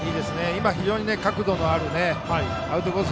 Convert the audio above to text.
今、非常に角度のあるアウトコース